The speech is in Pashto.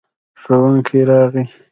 ښوونکی راغی.